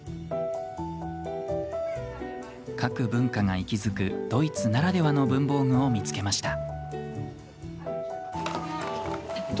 書く文化が息づくドイツならではの文房具を見つけました。